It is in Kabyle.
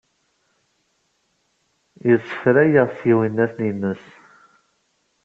Yesserfay-aɣ s yiwenniten-nnes.